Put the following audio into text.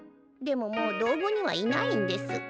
でももう道後にはいないんです。